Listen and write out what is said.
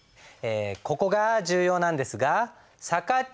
ここが重要なんですがさかっ